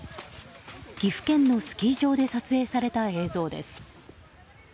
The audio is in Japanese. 岐阜県のスキー場で撮影された映像です。